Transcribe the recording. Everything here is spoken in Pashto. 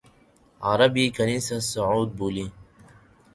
عرب یې کنیسۃ الصعود بولي.